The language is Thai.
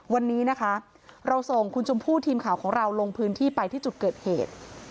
วันนี้นะคะเราส่งคุณชมพู่ทีมข่าวของเราลงพื้นที่ไปที่จุดเกิดเหตุ